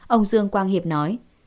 ông dương quang hiệp nói